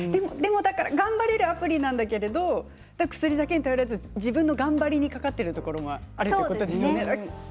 頑張れるアプリなんですけれど薬だけに頼らず自分の頑張りにかかっていることもありますよね。